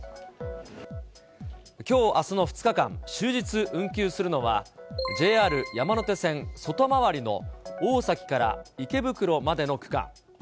きょうあすの２日間、終日運休するのは、ＪＲ山手線外回りの大崎から池袋までの区間。